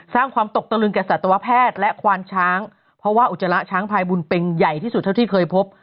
สร้างความตกตะลึงแก่สัตวแพทย์และควานช้างเพราะว่าอุจจาระช้างพายบุญเป็นใหญ่ที่สุดเท่าที่เคยพบ